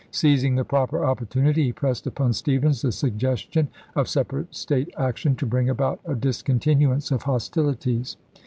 Seizing the proper opportunity, he pressed upon Stephens the suggestion of separate State action to bring about a discontinuance of hostilities.